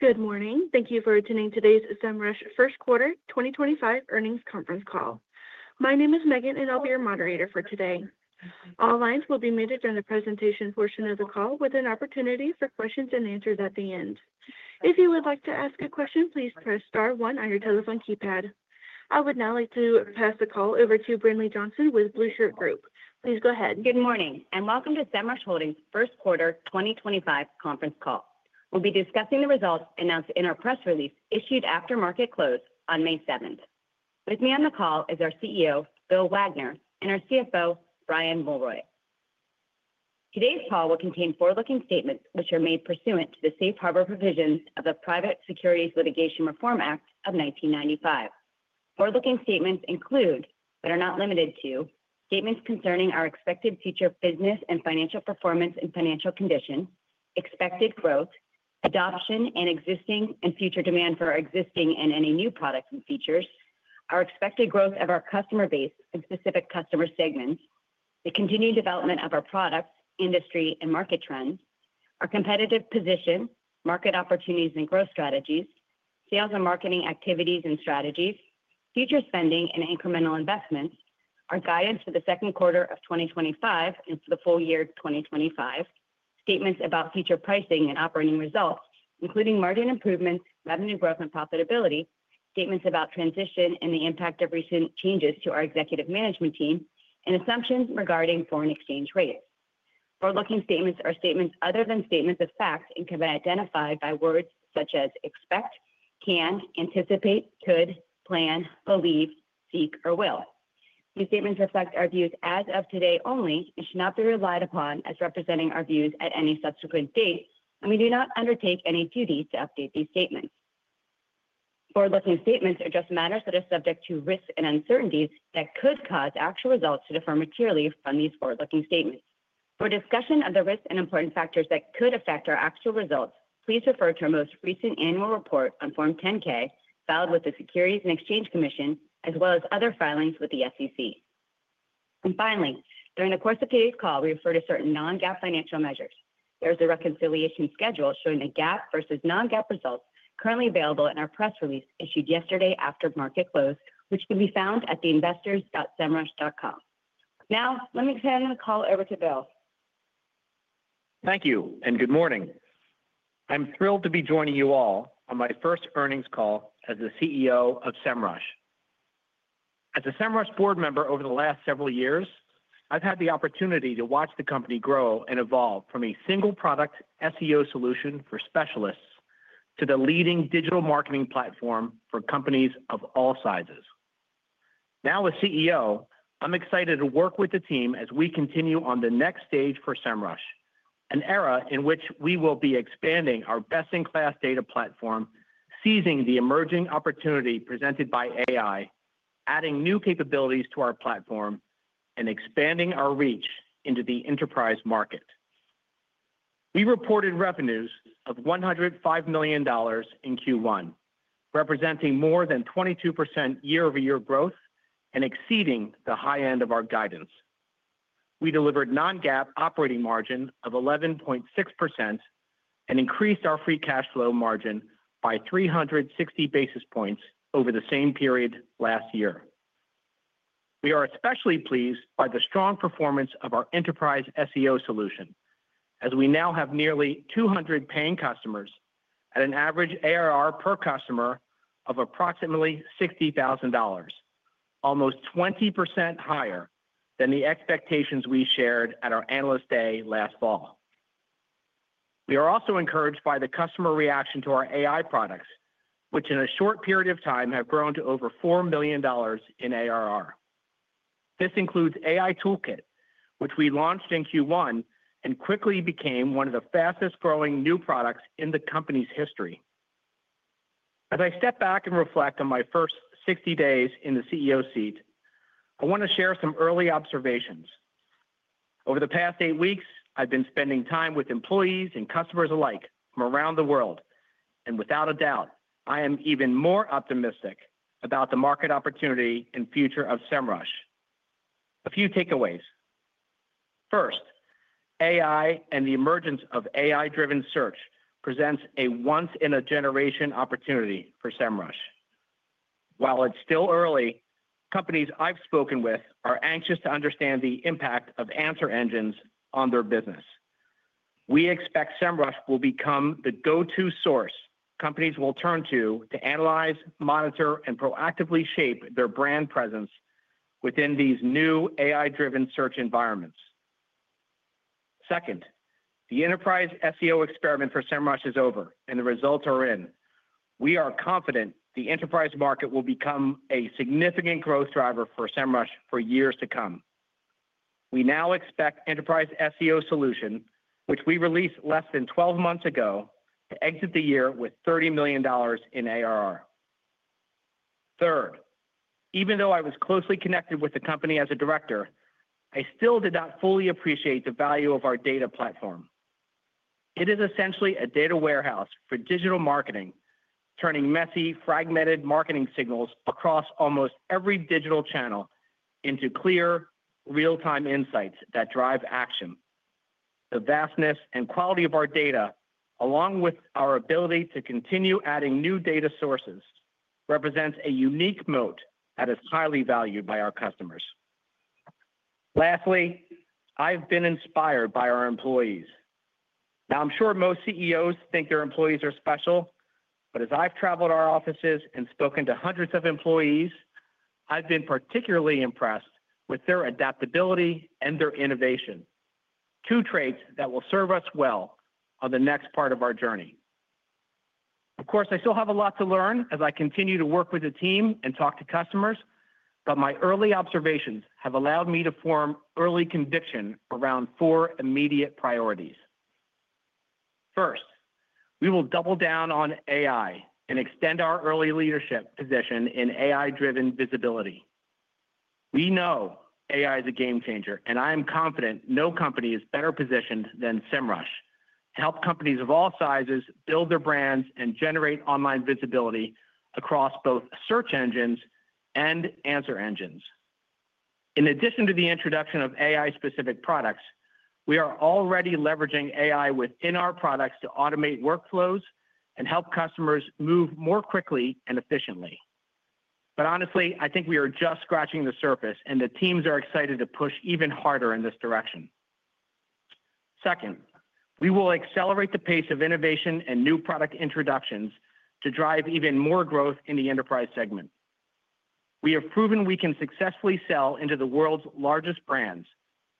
Good morning. Thank you for attending today's Semrush First Quarter 2025 earnings conference call. My name is Megan, and I'll be your moderator for today. All lines will be muted during the presentation portion of the call, with an opportunity for questions and answers at the end. If you would like to ask a question, please press star one on your telephone keypad. I would now like to pass the call over to Brinlea Johnson with Blue Shirt Group. Please go ahead. Good morning, and welcome to Semrush Holdings' First Quarter 2025 conference call. We'll be discussing the results announced in our press release issued after market close on May 7th. With me on the call is our CEO, Bill Wagner, and our CFO, Brian Mulroy. Today's call will contain forward-looking statements, which are made pursuant to the safe harbor provisions of the Private Securities Litigation Reform Act of 1995. Forward-looking statements include, but are not limited to, statements concerning our expected future business and financial performance and financial condition, expected growth, adoption and existing and future demand for our existing and any new products and features, our expected growth of our customer base and specific customer segments, the continued development of our products, industry, and market trends, our competitive position, market opportunities and growth strategies, sales and marketing activities and strategies, future spending and incremental investments, our guidance for the second quarter of 2025 and for the full year 2025, statements about future pricing and operating results, including margin improvements, revenue growth, and profitability, statements about transition and the impact of recent changes to our executive management team, and assumptions regarding foreign exchange rates. Forward-looking statements are statements other than statements of fact and can be identified by words such as expect, can, anticipate, could, plan, believe, seek, or will. These statements reflect our views as of today only and should not be relied upon as representing our views at any subsequent date, and we do not undertake any duties to update these statements. Forward-looking statements are just matters that are subject to risks and uncertainties that could cause actual results to differ materially from these forward-looking statements. For discussion of the risks and important factors that could affect our actual results, please refer to our most recent annual report on Form 10-K filed with the Securities and Exchange Commission, as well as other filings with the SEC. Finally, during the course of today's call, we refer to certain non-GAAP financial measures. There is a reconciliation schedule showing the GAAP versus non-GAAP results currently available in our press release issued yesterday after market close, which can be found at theinvestors.semrush.com. Now, let me turn the call over to Bill. Thank you, and good morning. I'm thrilled to be joining you all on my first earnings call as the CEO of Semrush. As a Semrush board member over the last several years, I've had the opportunity to watch the company grow and evolve from a single product SEO solution for specialists to the leading digital marketing platform for companies of all sizes. Now, as CEO, I'm excited to work with the team as we continue on the next stage for Semrush, an era in which we will be expanding our best-in-class data platform, seizing the emerging opportunity presented by AI, adding new capabilities to our platform, and expanding our reach into the enterprise market. We reported revenues of $105 million in Q1, representing more than 22% year-over-year growth and exceeding the high end of our guidance. We delivered non-GAAP operating margin of 11.6% and increased our free cash flow margin by 360 basis points over the same period last year. We are especially pleased by the strong performance of our Enterprise SEO Solution, as we now have nearly 200 paying customers at an average ARR per customer of approximately $60,000, almost 20% higher than the expectations we shared at our analyst day last fall. We are also encouraged by the customer reaction to our AI products, which in a short period of time have grown to over $4 million in ARR. This includes AI Toolkit, which we launched in Q1 and quickly became one of the fastest-growing new products in the company's history. As I step back and reflect on my first 60 days in the CEO seat, I want to share some early observations. Over the past eight weeks, I've been spending time with employees and customers alike from around the world, and without a doubt, I am even more optimistic about the market opportunity and future of Semrush. A few takeaways. First, AI and the emergence of AI-driven search presents a once-in-a-generation opportunity for Semrush. While it's still early, companies I've spoken with are anxious to understand the impact of answer engines on their business. We expect Semrush will become the go-to source companies will turn to to analyze, monitor, and proactively shape their brand presence within these new AI-driven search environments. Second, the enterprise SEO experiment for Semrush is over, and the results are in. We are confident the enterprise market will become a significant growth driver for Semrush for years to come. We now expect Enterprise SEO Solution, which we released less than 12 months ago, to exit the year with $30 million in ARR. Third, even though I was closely connected with the company as a director, I still did not fully appreciate the value of our data platform. It is essentially a data warehouse for digital marketing, turning messy, fragmented marketing signals across almost every digital channel into clear, real-time insights that drive action. The vastness and quality of our data, along with our ability to continue adding new data sources, represents a unique moat that is highly valued by our customers. Lastly, I've been inspired by our employees. Now, I'm sure most CEOs think their employees are special, but as I've traveled our offices and spoken to hundreds of employees, I've been particularly impressed with their adaptability and their innovation, two traits that will serve us well on the next part of our journey. Of course, I still have a lot to learn as I continue to work with the team and talk to customers, but my early observations have allowed me to form early conviction around four immediate priorities. First, we will double down on AI and extend our early leadership position in AI-driven visibility. We know AI is a game changer, and I am confident no company is better positioned than Semrush to help companies of all sizes build their brands and generate online visibility across both search engines and answer engines. In addition to the introduction of AI-specific products, we are already leveraging AI within our products to automate workflows and help customers move more quickly and efficiently. Honestly, I think we are just scratching the surface, and the teams are excited to push even harder in this direction. Second, we will accelerate the pace of innovation and new product introductions to drive even more growth in the enterprise segment. We have proven we can successfully sell into the world's largest brands,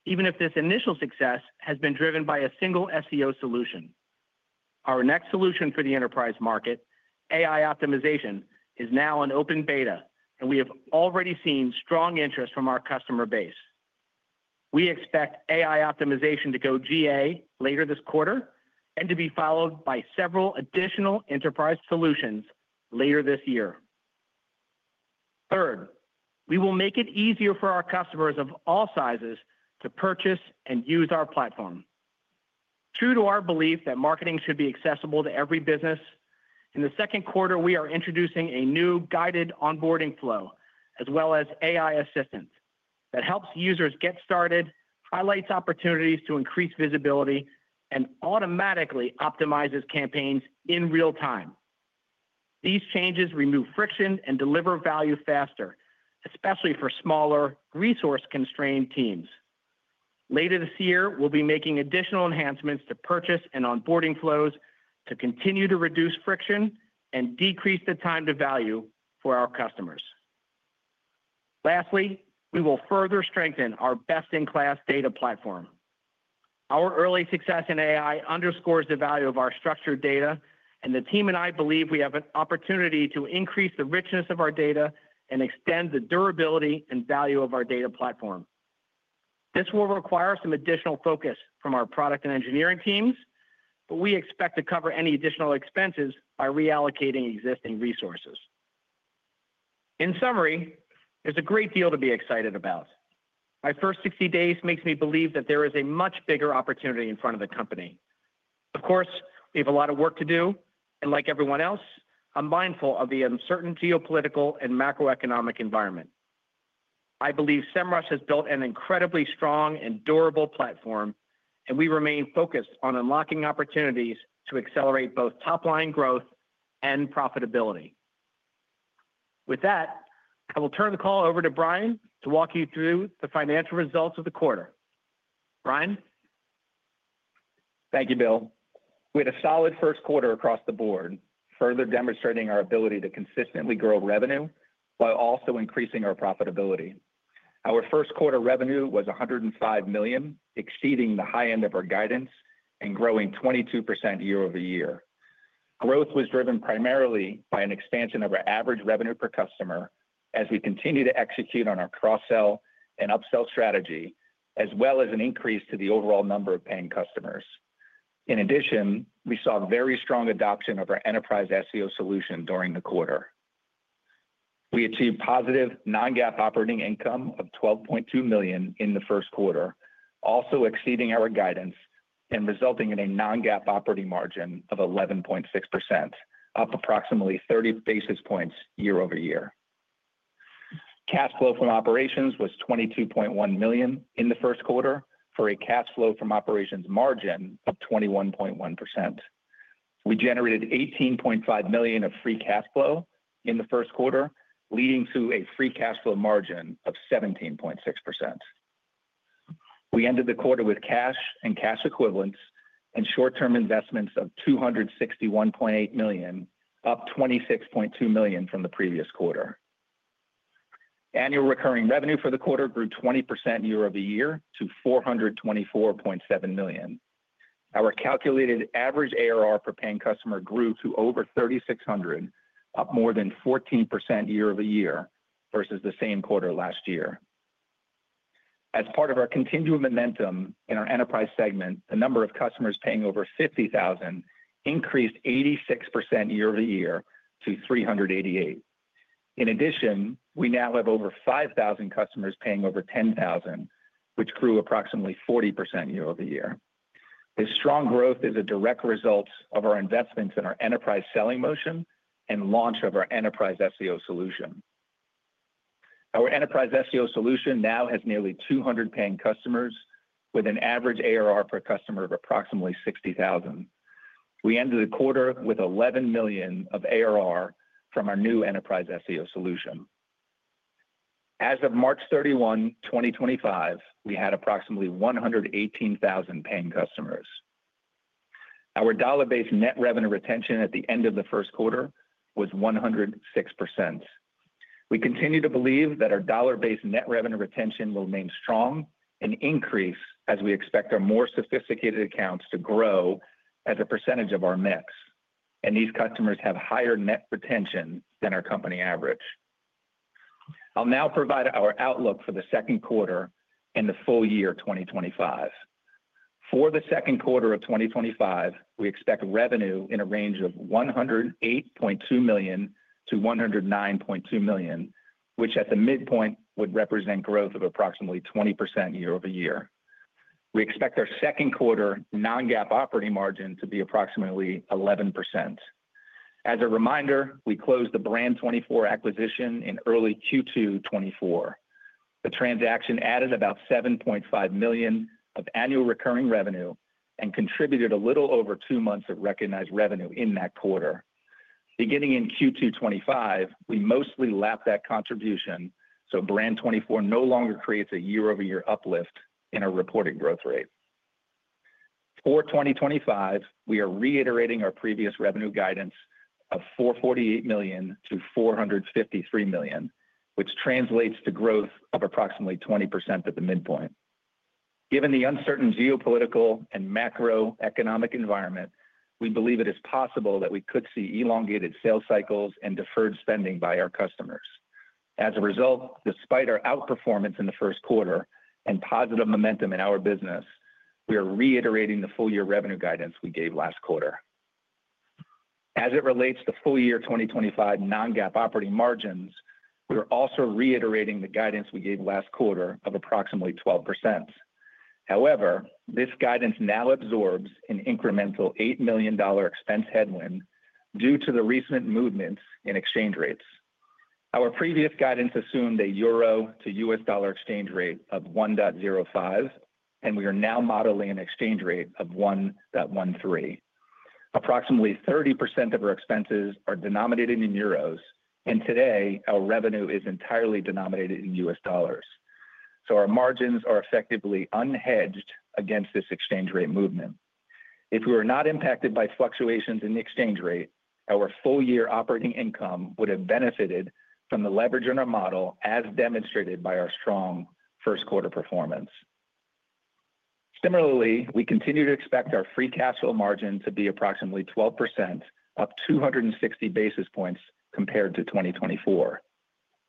even if this initial success has been driven by a single SEO solution. Our next solution for the enterprise market, AI Optimization, is now in open beta, and we have already seen strong interest from our customer base. We expect AI Optimization to go GA later this quarter and to be followed by several additional enterprise solutions later this year. Third, we will make it easier for our customers of all sizes to purchase and use our platform. True to our belief that marketing should be accessible to every business, in the second quarter, we are introducing a new guided onboarding flow, as well as AI assistance that helps users get started, highlights opportunities to increase visibility, and automatically optimizes campaigns in real time. These changes remove friction and deliver value faster, especially for smaller, resource-constrained teams. Later this year, we'll be making additional enhancements to purchase and onboarding flows to continue to reduce friction and decrease the time to value for our customers. Lastly, we will further strengthen our best-in-class data platform. Our early success in AI underscores the value of our structured data, and the team and I believe we have an opportunity to increase the richness of our data and extend the durability and value of our data platform. This will require some additional focus from our product and engineering teams, but we expect to cover any additional expenses by reallocating existing resources. In summary, there is a great deal to be excited about. My first 60 days makes me believe that there is a much bigger opportunity in front of the company. Of course, we have a lot of work to do, and like everyone else, I am mindful of the uncertain geopolitical and macroeconomic environment. I believe Semrush has built an incredibly strong and durable platform, and we remain focused on unlocking opportunities to accelerate both top-line growth and profitability. With that, I will turn the call over to Brian to walk you through the financial results of the quarter. Brian. Thank you, Bill. We had a solid first quarter across the board, further demonstrating our ability to consistently grow revenue while also increasing our profitability. Our first quarter revenue was $105 million, exceeding the high end of our guidance and growing 22% year-over-year. Growth was driven primarily by an expansion of our average revenue per customer as we continue to execute on our cross-sell and up-sell strategy, as well as an increase to the overall number of paying customers. In addition, we saw very strong adoption of our Enterprise SEO Solution during the quarter. We achieved positive non-GAAP operating income of $12.2 million in the first quarter, also exceeding our guidance and resulting in a non-GAAP operating margin of 11.6%, up approximately 30 basis points year-over-year. Cash flow from operations was $22.1 million in the first quarter for a cash flow from operations margin of 21.1%. We generated $18.5 million of free cash flow in the first quarter, leading to a free cash flow margin of 17.6%. We ended the quarter with cash and cash equivalents and short-term investments of $261.8 million, up $26.2 million from the previous quarter. Annual recurring revenue for the quarter grew 20% year-over-year to $424.7 million. Our calculated average ARR per paying customer grew to over $3,600, up more than 14% year-over-year versus the same quarter last year. As part of our continuum momentum in our enterprise segment, the number of customers paying over $50,000 increased 86% year-over-year to 388. In addition, we now have over 5,000 customers paying over $10,000, which grew approximately 40% year-over-year. This strong growth is a direct result of our investments in our enterprise selling motion and launch of our Enterprise SEO Solution. Our Enterprise SEO Solution now has nearly 200 paying customers with an average ARR per customer of approximately $60,000. We ended the quarter with $11 million of ARR from our new Enterprise SEO Solution. As of March 31, 2025, we had approximately 118,000 paying customers. Our dollar-based net revenue retention at the end of the first quarter was 106%. We continue to believe that our dollar-based net revenue retention will remain strong and increase as we expect our more sophisticated accounts to grow as a percentage of our mix, and these customers have higher net retention than our company average. I'll now provide our outlook for the second quarter and the full year 2025. For the second quarter of 2025, we expect revenue in a range of $108.2 million-$109.2 million, which at the midpoint would represent growth of approximately 20% year-over-year. We expect our second quarter non-GAAP operating margin to be approximately 11%. As a reminder, we closed the Brand24 acquisition in early Q2 2024. The transaction added about $7.5 million of annual recurring revenue and contributed a little over two months of recognized revenue in that quarter. Beginning in Q2 2025, we mostly lapped that contribution, so Brand24 no longer creates a year-over-year uplift in our reported growth rate. For 2025, we are reiterating our previous revenue guidance of $448 million-$453 million, which translates to growth of approximately 20% at the midpoint. Given the uncertain geopolitical and macroeconomic environment, we believe it is possible that we could see elongated sales cycles and deferred spending by our customers. As a result, despite our outperformance in the first quarter and positive momentum in our business, we are reiterating the full-year revenue guidance we gave last quarter. As it relates to full-year 2025 non-GAAP operating margins, we are also reiterating the guidance we gave last quarter of approximately 12%. However, this guidance now absorbs an incremental $8-million expense headwind due to the recent movements in exchange rates. Our previous guidance assumed a euro to US dollar exchange rate of 1.05, and we are now modeling an exchange rate of 1.13. Approximately 30% of our expenses are denominated in euros, and today our revenue is entirely denominated in US dollars. Our margins are effectively unhedged against this exchange rate movement. If we were not impacted by fluctuations in the exchange rate, our full-year operating income would have benefited from the leverage in our model, as demonstrated by our strong first quarter performance. Similarly, we continue to expect our free cash flow margin to be approximately 12%, up 260 basis points compared to 2024.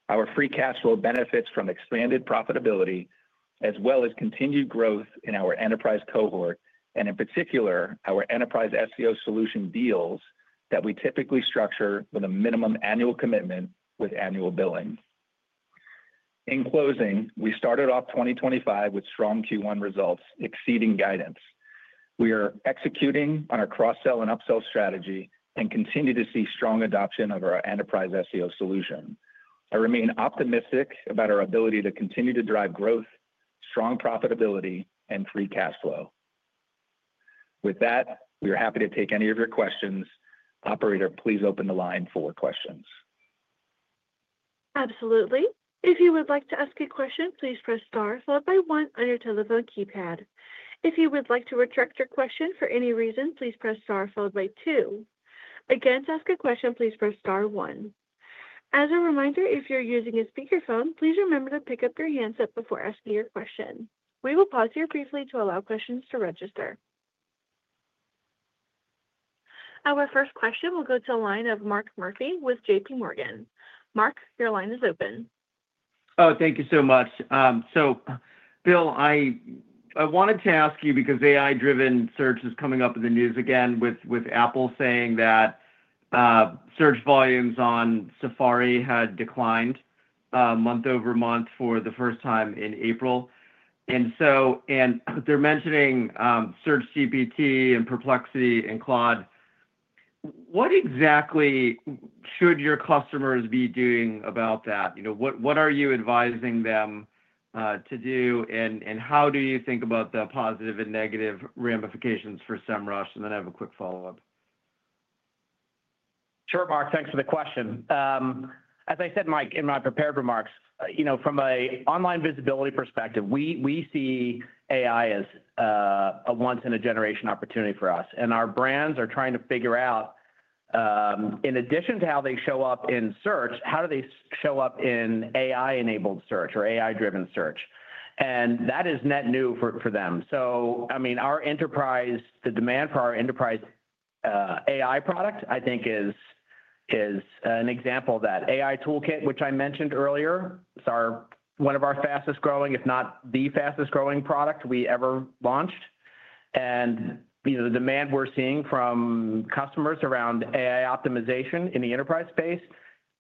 Our free cash flow benefits from expanded profitability, as well as continued growth in our enterprise cohort, and in particular, our Enterprise SEO Solution deals that we typically structure with a minimum annual commitment with annual billing. In closing, we started off 2025 with strong Q1 results exceeding guidance. We are executing on our cross-sell and up-sell strategy and continue to see strong adoption of our Enterprise SEO Solution. I remain optimistic about our ability to continue to drive growth, strong profitability, and free cash flow. With that, we are happy to take any of your questions. Operator, please open the line for questions. Absolutely. If you would like to ask a question, please press star followed by one on your telephone keypad. If you would like to retract your question for any reason, please press star followed by two. Again, to ask a question, please press star one. As a reminder, if you're using a speakerphone, please remember to pick up your handset before asking your question. We will pause here briefly to allow questions to register. Our first question will go to a line of Mark Murphy with J.P. Morgan. Mark, your line is open. Oh, thank you so much. Bill, I wanted to ask you because AI-driven search is coming up in the news again with Apple saying that search volumes on Safari had declined month over month for the first time in April. They are mentioning SearchGPT and Perplexity and Claude. What exactly should your customers be doing about that? What are you advising them to do, and how do you think about the positive and negative ramifications for Semrush? I have a quick follow-up. Sure, Mark. Thanks for the question. As I said, Mike, in my prepared remarks, from an online visibility perspective, we see AI as a once-in-a-generation opportunity for us. And our brands are trying to figure out, in addition to how they show up in search, how do they show up in AI-enabled search or AI-driven search? That is net new for them. I mean, our enterprise, the demand for our enterprise AI product, I think, is an example of that. AI Toolkit, which I mentioned earlier, is one of our fastest-growing, if not the fastest-growing product we ever launched. The demand we're seeing from customers around AI optimization in the enterprise space is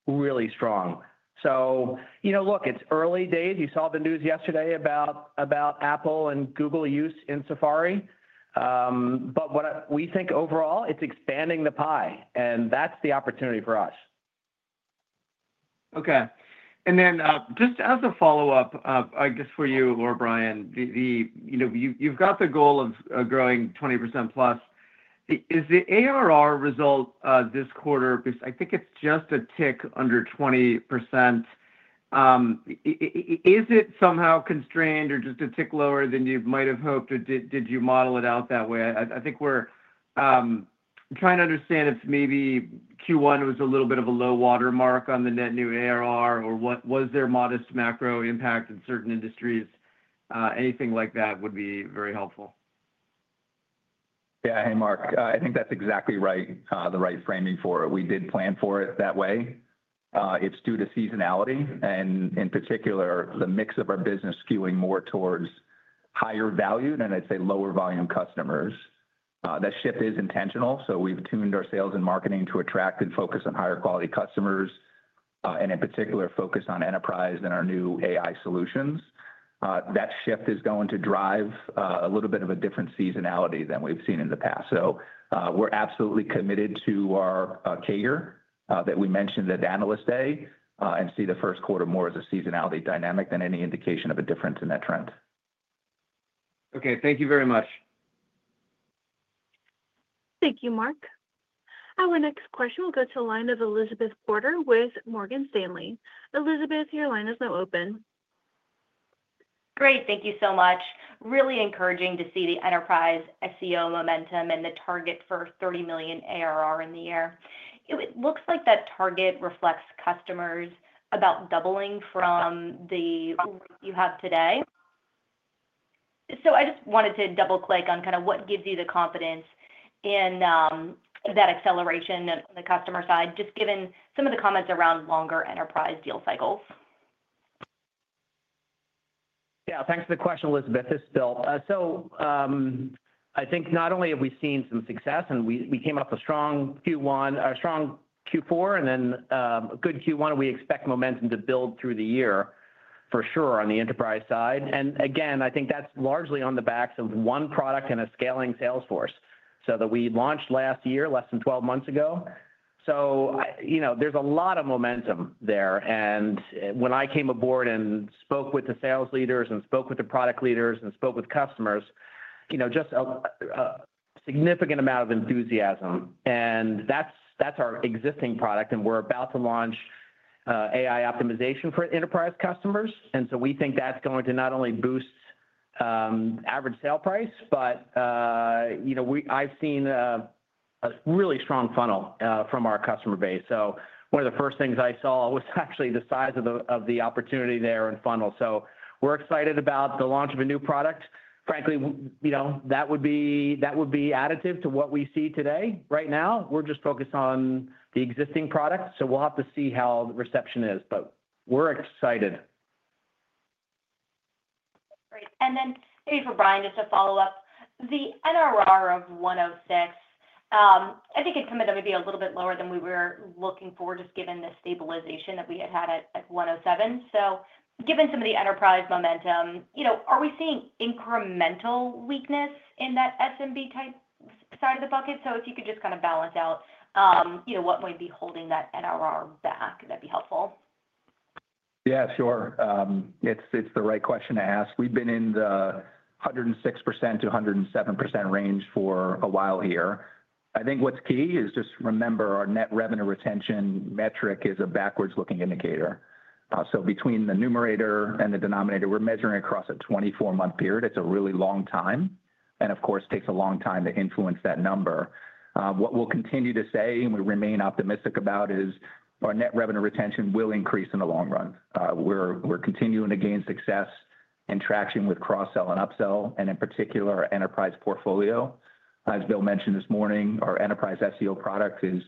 really strong. You know, look, it's early days. You saw the news yesterday about Apple and Google use in Safari. We think overall it's expanding the pie, and that's the opportunity for us. Okay. Just as a follow-up, I guess for you or Brian, you have got the goal of growing 20% plus. Is the ARR result this quarter, I think it is just a tick under 20%. Is it somehow constrained or just a tick lower than you might have hoped? Did you model it out that way? I think we are trying to understand if maybe Q1 was a little bit of a low watermark on the net new ARR, or was there modest macro impact in certain industries? Anything like that would be very helpful. Yeah. Hey, Mark, I think that's exactly right, the right framing for it. We did plan for it that way. It's due to seasonality, and in particular, the mix of our business skewing more towards higher value, and I'd say lower volume customers. That shift is intentional. So we've tuned our sales and marketing to attract and focus on higher quality customers, and in particular, focus on enterprise and our new AI solutions. That shift is going to drive a little bit of a different seasonality than we've seen in the past. We are absolutely committed to our CAGR that we mentioned at analyst day and see the first quarter more as a seasonality dynamic than any indication of a difference in that trend. Okay. Thank you very much. Thank you, Mark. Our next question will go to a line of Elizabeth Porter with Morgan Stanley. Elizabeth, your line is now open. Great. Thank you so much. Really encouraging to see the enterprise SEO momentum and the target for $30 million ARR in the year. It looks like that target reflects customers about doubling from the rate you have today. I just wanted to double-click on kind of what gives you the confidence in that acceleration on the customer side, just given some of the comments around longer enterprise deal cycles. Yeah. Thanks for the question, Elizabeth. This is Bill. I think not only have we seen some success, and we came up with a strong Q1, a strong Q4, and then a good Q1, we expect momentum to build through the year for sure on the enterprise side. I think that's largely on the backs of one product and a scaling salesforce that we launched last year, less than 12 months ago. There's a lot of momentum there. When I came aboard and spoke with the sales leaders and spoke with the product leaders and spoke with customers, just a significant amount of enthusiasm. That's our existing product, and we're about to launch AI Optimization for enterprise customers. We think that's going to not only boost average sale price, but I've seen a really strong funnel from our customer base. One of the first things I saw was actually the size of the opportunity there in funnel. We're excited about the launch of a new product. Frankly, that would be additive to what we see today. Right now, we're just focused on the existing product. We'll have to see how the reception is. We're excited. Great. Maybe for Brian, just to follow up, the NRR of 106, I think it's something that may be a little bit lower than we were looking for, just given the stabilization that we had had at 107. Given some of the enterprise momentum, are we seeing incremental weakness in that SMB type side of the bucket? If you could just kind of balance out what might be holding that NRR back, that'd be helpful. Yeah, sure. It's the right question to ask. We've been in the 106%-107% range for a while here. I think what's key is just remember our net revenue retention metric is a backwards-looking indicator. So between the numerator and the denominator, we're measuring across a 24-month period. It's a really long time. Of course, it takes a long time to influence that number. What we'll continue to say and we remain optimistic about is our net revenue retention will increase in the long run. We're continuing to gain success and traction with cross-sell and up-sell, and in particular, our enterprise portfolio. As Bill mentioned this morning, our enterprise SEO product is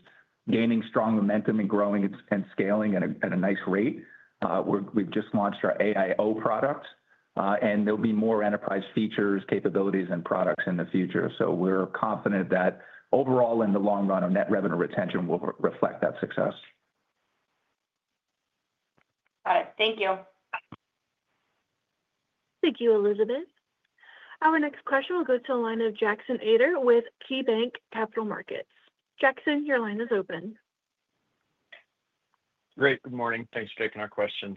gaining strong momentum and growing and scaling at a nice rate. We've just launched our AIO product, and there'll be more enterprise features, capabilities, and products in the future. We're confident that overall, in the long run, our net revenue retention will reflect that success. Got it. Thank you. Thank you, Elizabeth. Our next question will go to a line of Jackson Ader with KeyBanc Capital Markets. Jackson, your line is open. Great. Good morning. Thanks for taking our questions.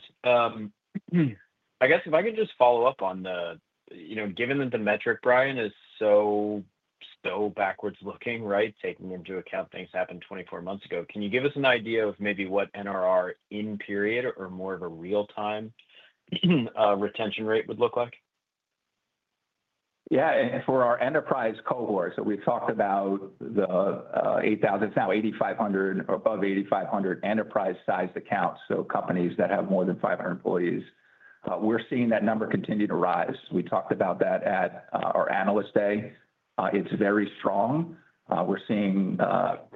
I guess if I could just follow up on the, given that the metric, Brian, is so backwards-looking, right, taking into account things that happened 24 months ago, can you give us an idea of maybe what NRR in period or more of a real-time retention rate would look like? Yeah. For our enterprise cohort, we’ve talked about the 8,000, it’s now 8,500 or above 8,500 enterprise-sized accounts, so companies that have more than 500 employees. We’re seeing that number continue to rise. We talked about that at our analyst day. It’s very strong. We’re seeing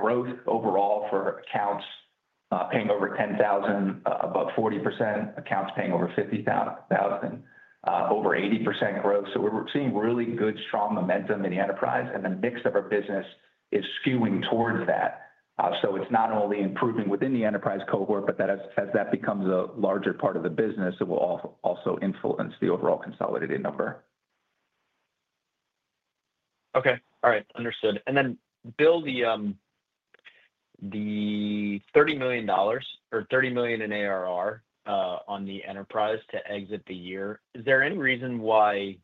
growth overall for accounts paying over $10,000, above 40%, accounts paying over $50,000, over 80% growth. We’re seeing really good, strong momentum in the enterprise, and the mix of our business is skewing towards that. It’s not only improving within the enterprise cohort, but as that becomes a larger part of the business, it will also influence the overall consolidated number. Okay. All right. Understood. Then, Bill, the $30 million or $30 million in ARR on the enterprise to exit the year, is there any reason why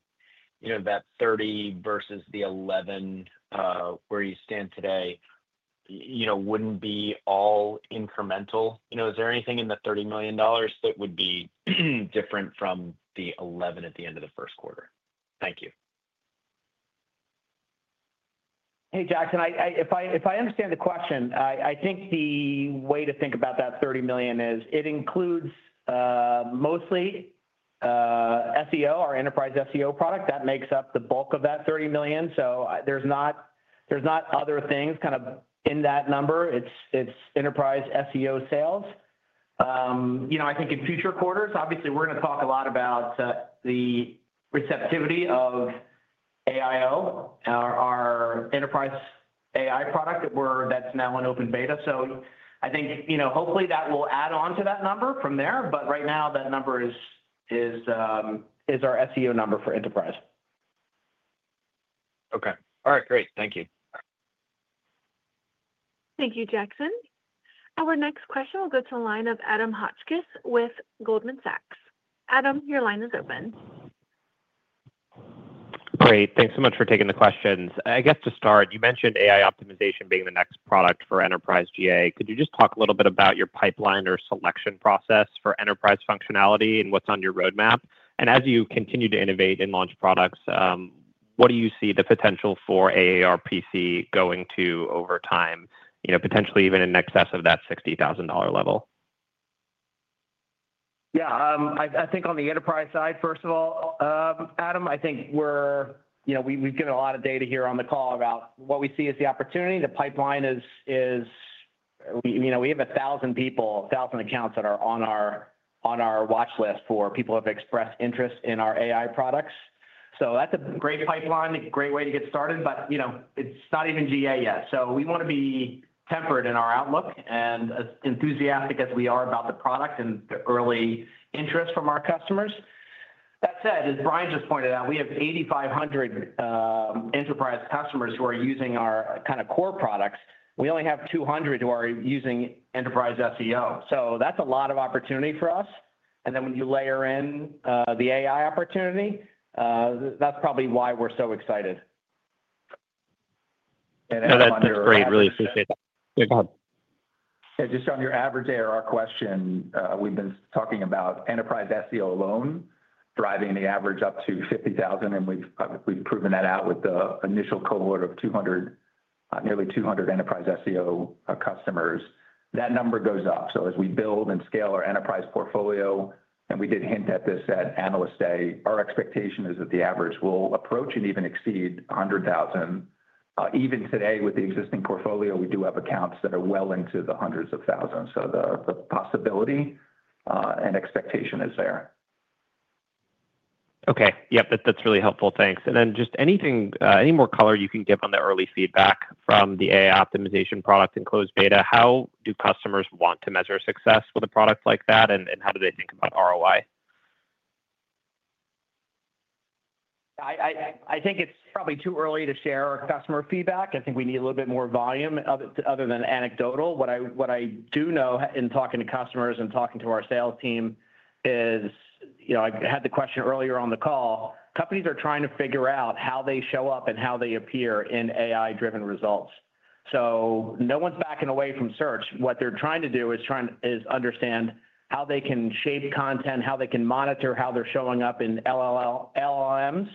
that $30 million versus the $11 million where you stand today would not be all incremental? Is there anything in the $30 million that would be different from the $11 million at the end of the first quarter? Thank you. Hey, Jackson, if I understand the question, I think the way to think about that $30 million is it includes mostly SEO, our enterprise SEO product. That makes up the bulk of that $30 million. There are not other things kind of in that number. It is enterprise SEO sales. I think in future quarters, obviously, we are going to talk a lot about the receptivity of AIO, our enterprise AI product that is now in open beta. I think hopefully that will add on to that number from there. Right now, that number is our SEO number for enterprise. Okay. All right. Great. Thank you. Thank you, Jackson. Our next question will go to a line of Adam Hotchkiss with Goldman Sachs. Adam, your line is open. Great. Thanks so much for taking the questions. I guess to start, you mentioned AI Optimization being the next product for enterprise GA. Could you just talk a little bit about your pipeline or selection process for enterprise functionality and what is on your roadmap? As you continue to innovate and launch products, what do you see the potential for AARPC going to over time, potentially even in excess of that $60,000 level? Yeah. I think on the enterprise side, first of all, Adam, I think we've given a lot of data here on the call about what we see as the opportunity. The pipeline is we have 1,000 people, 1,000 accounts that are on our watch list for people who have expressed interest in our AI products. That's a great pipeline, a great way to get started, but it's not even GA yet. We want to be tempered in our outlook and as enthusiastic as we are about the product and the early interest from our customers. That said, as Brian just pointed out, we have 8,500 enterprise customers who are using our kind of core products. We only have 200 who are using enterprise SEO. That's a lot of opportunity for us. When you layer in the AI opportunity, that's probably why we're so excited. No, that's great. Really appreciate that. Yeah, just on your average ARR question, we've been talking about Enterprise SEO alone driving the average up to $50,000, and we've proven that out with the initial cohort of nearly 200 Enterprise SEO customers. That number goes up. As we build and scale our enterprise portfolio, and we did hint at this at Analyst Day, our expectation is that the average will approach and even exceed $100,000. Even today, with the existing portfolio, we do have accounts that are well into the hundreds of thousands. The possibility and expectation is there. Okay. Yep. That's really helpful. Thanks. Is there anything, any more color you can give on the early feedback from the AI Optimization product in closed beta? How do customers want to measure success with a product like that, and how do they think about ROI? I think it's probably too early to share our customer feedback. I think we need a little bit more volume other than anecdotal. What I do know in talking to customers and talking to our sales team is I had the question earlier on the call. Companies are trying to figure out how they show up and how they appear in AI-driven results. No one's backing away from search. What they're trying to do is understand how they can shape content, how they can monitor how they're showing up in LLMs,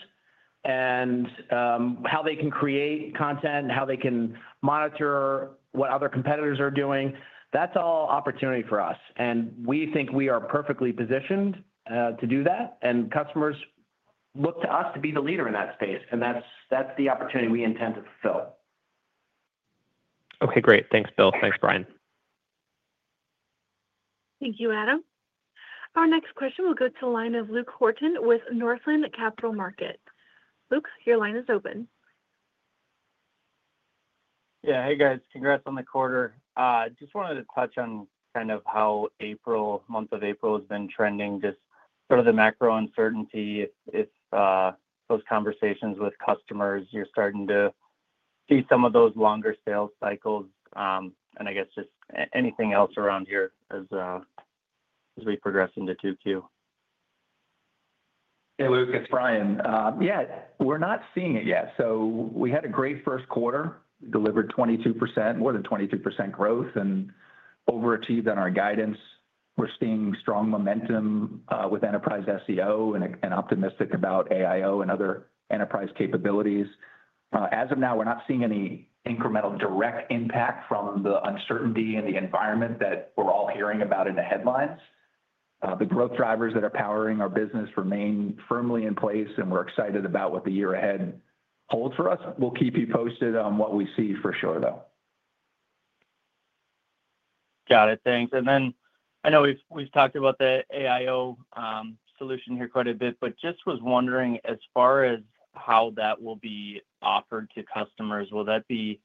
and how they can create content, how they can monitor what other competitors are doing. That's all opportunity for us. We think we are perfectly positioned to do that. Customers look to us to be the leader in that space. That's the opportunity we intend to fulfill. Okay. Great. Thanks, Bill. Thanks, Brian. Thank you, Adam. Our next question will go to a line of Luke Horton with Northland Capital Markets. Luke, your line is open. Yeah. Hey, guys. Congrats on the quarter. Just wanted to touch on kind of how April, month of April, has been trending, just sort of the macro uncertainty if those conversations with customers, you're starting to see some of those longer sales cycles. I guess just anything else around here as we progress into Q2. Hey, Luke. It's Brian. Yeah. We're not seeing it yet. We had a great first quarter, delivered 22%, more than 22% growth, and overachieved on our guidance. We're seeing strong momentum with enterprise SEO and optimistic about AIO and other enterprise capabilities. As of now, we're not seeing any incremental direct impact from the uncertainty and the environment that we're all hearing about in the headlines. The growth drivers that are powering our business remain firmly in place, and we're excited about what the year ahead holds for us. We'll keep you posted on what we see for sure, though. Got it. Thanks. I know we've talked about the AIO solution here quite a bit, but just was wondering as far as how that will be offered to customers. Will that be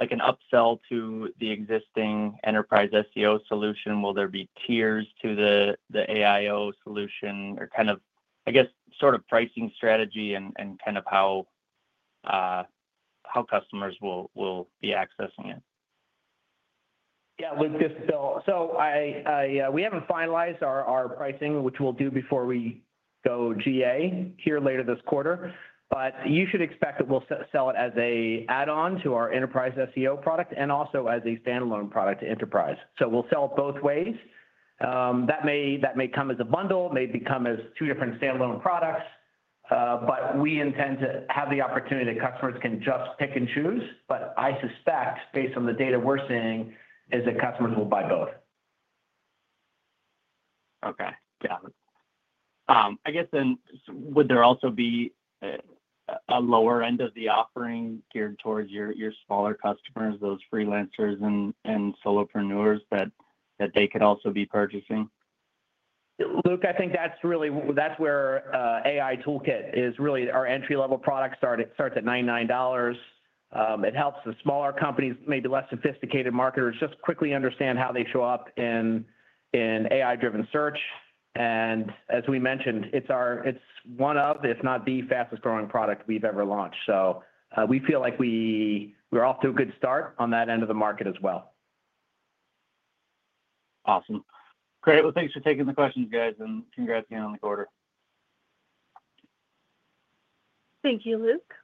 an upsell to the existing Enterprise SEO Solution? Will there be tiers to the AIO solution or kind of, I guess, sort of pricing strategy and kind of how customers will be accessing it? Yeah, Luke, this is Bill. We haven't finalized our pricing, which we'll do before we go GA here later this quarter. You should expect that we'll sell it as an add-on to our enterprise SEO product and also as a standalone product to enterprise. We'll sell it both ways. That may come as a bundle, may come as two different standalone products. We intend to have the opportunity that customers can just pick and choose. I suspect, based on the data we're seeing, that customers will buy both. Okay. Got it. I guess then would there also be a lower end of the offering geared towards your smaller customers, those freelancers and solopreneurs that they could also be purchasing? Luke, I think that's where AI Toolkit is really our entry-level product, starts at $99. It helps the smaller companies, maybe less sophisticated marketers, just quickly understand how they show up in AI-driven search. As we mentioned, it's one of, if not the fastest-growing product we've ever launched. We feel like we're off to a good start on that end of the market as well. Awesome. Great. Thanks for taking the questions, guys, and congrats again on the quarter. Thank you, Luke.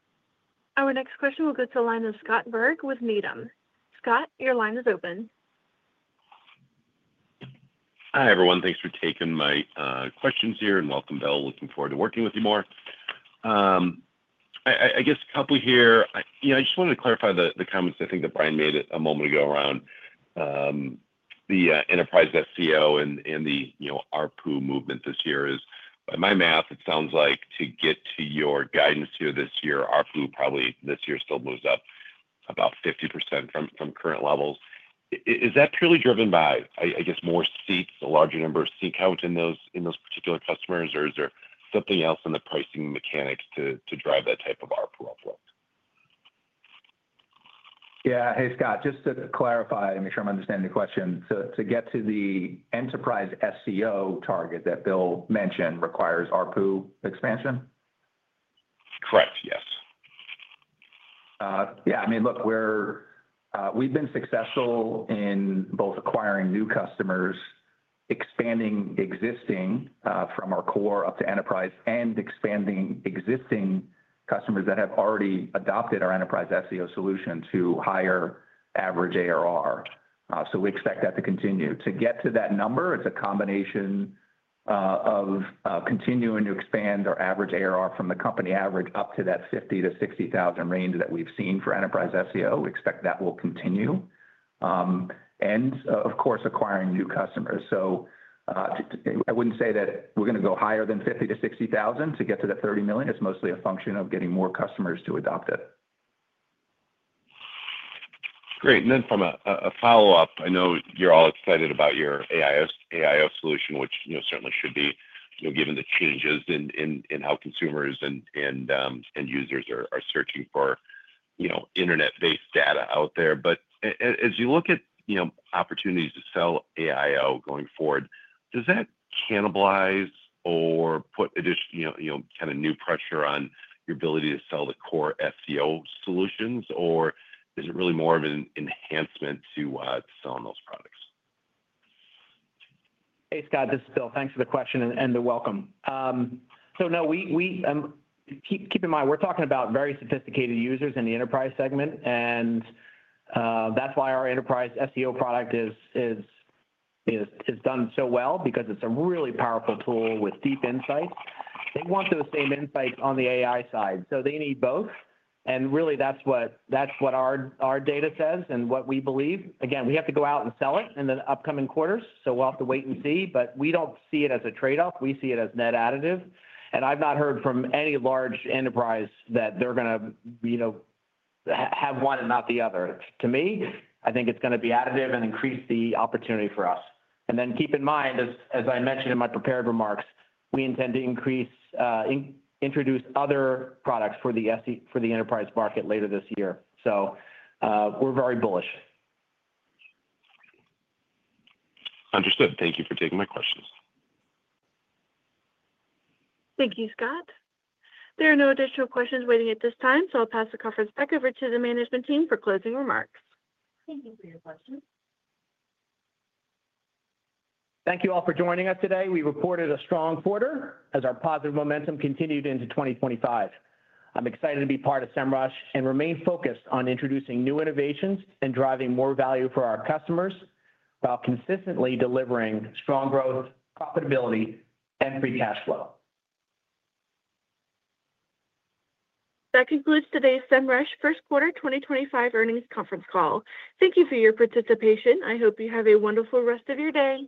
Our next question will go to a line of Scott Berg with Needham. Scott, your line is open. Hi everyone. Thanks for taking my questions here and welcome, Bill. Looking forward to working with you more. I guess a couple here, I just wanted to clarify the comments I think that Brian made a moment ago around the enterprise SEO and the ARPU movement this year. By my math, it sounds like to get to your guidance here this year, ARPU probably this year still moves up about 50% from current levels. Is that purely driven by, I guess, more seats, a larger number of seat counts in those particular customers, or is there something else in the pricing mechanics to drive that type of ARPU upward? Yeah. Hey, Scott, just to clarify and make sure I'm understanding the question. To get to the enterprise SEO target that Bill mentioned requires ARPU expansion? Correct. Yes. Yeah. I mean, look, we've been successful in both acquiring new customers, expanding existing from our core up to enterprise, and expanding existing customers that have already adopted our Enterprise SEO Solution to higher average ARR. We expect that to continue. To get to that number, it's a combination of continuing to expand our average ARR from the company average up to that $50,000-$60,000 range that we've seen for Enterprise SEO. We expect that will continue. Of course, acquiring new customers. I wouldn't say that we're going to go higher than $50,000-$60,000 to get to that $30 million. It's mostly a function of getting more customers to adopt it. Great. From a follow-up, I know you're all excited about your AIO solution, which certainly should be given the changes in how consumers and end users are searching for internet-based data out there. As you look at opportunities to sell AIO going forward, does that cannibalize or put kind of new pressure on your ability to sell the core SEO solutions, or is it really more of an enhancement to selling those products? Hey, Scott, this is Bill. Thanks for the question and the welcome. No, keep in mind, we're talking about very sophisticated users in the enterprise segment. That's why our enterprise SEO product has done so well because it's a really powerful tool with deep insights. They want those same insights on the AI side. They need both. That's what our data says and what we believe. Again, we have to go out and sell it in the upcoming quarters. We'll have to wait and see. We do not see it as a trade-off. We see it as net additive. I've not heard from any large enterprise that they're going to have one and not the other. To me, I think it's going to be additive and increase the opportunity for us. Keep in mind, as I mentioned in my prepared remarks, we intend to introduce other products for the enterprise market later this year. We are very bullish. Understood. Thank you for taking my questions. Thank you, Scott. There are no additional questions waiting at this time. I'll pass the conference back over to the management team for closing remarks. Thank you for your questions. Thank you all for joining us today. We reported a strong quarter as our positive momentum continued into 2025. I'm excited to be part of Semrush and remain focused on introducing new innovations and driving more value for our customers while consistently delivering strong growth, profitability, and free cash flow. That concludes today's Semrush first quarter 2025 earnings conference call. Thank you for your participation. I hope you have a wonderful rest of your day.